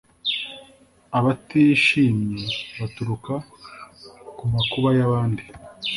“abatishimye baturuka ku makuba y'abandi.”